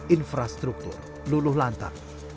infrastruktur luluh lantang